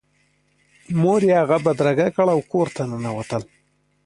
مور یې هغه بدرګه کړ او کور ته ننوتل